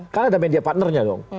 kan ada media partnernya dong